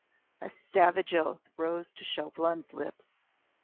A savage oath rose to Chauvelin's lips.